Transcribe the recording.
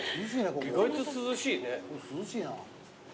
意外と涼しいね。